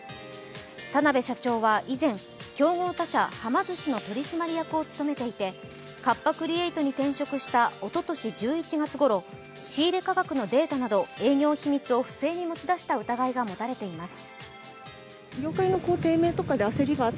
田辺社長は以前、競合他社、はま寿司の取締役を務めていてカッパ・クリエイトに転職したおととし１１月ごろ、仕入れ価格のデータなど営業秘密を不正に持ち出した疑いが持たれています。